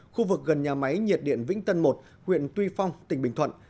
khu vực gần nhà máy nhiệt điện vĩnh tân một huyện tuy phong tỉnh bình thuận